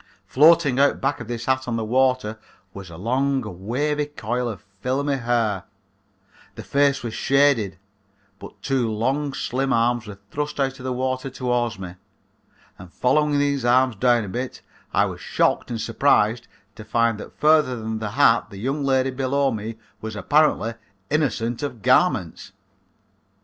Floating out back of this hat on the water was a long wavery coil of filmy hair, the face was shaded, but two long slim arms were thrust out of the water toward me, and following these arms down a bit I was shocked and surprised to find that further than the hat the young lady below me was apparently innocent of garments.